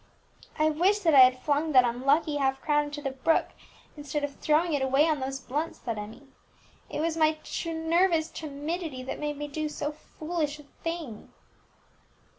"I wish that I had flung that unlucky half crown into the brook, instead of throwing it away on those Blunts!" thought Emmie. "It was my nervous timidity that made me do so foolish a thing."